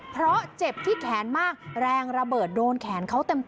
เพราะเจ็บที่แขนมากแรงระเบิดโดนแขนเขาเต็ม